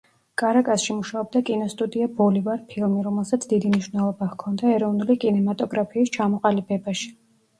კარაკასში მუშაობდა კინოსტუდია „ბოლივარ ფილმი“, რომელსაც დიდი მნიშვნელობა ჰქონდა ეროვნული კინემატოგრაფიის ჩამოყალიბებაში.